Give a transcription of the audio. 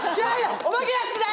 お化け屋敷だ？